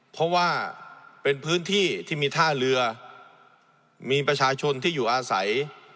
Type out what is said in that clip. เพราะว่าเป็นพื้นที่ที่มีท่าเรือมีประชาชนที่อยู่อาศัย